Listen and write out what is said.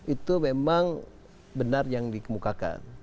itu memang benar yang dikemukakan